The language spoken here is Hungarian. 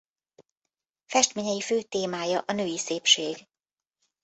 Festményei fő témája a női szépség.